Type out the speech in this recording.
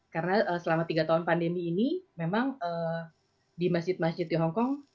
karena selama tiga tahun pandemi ini memang di masjid masjid di hongkong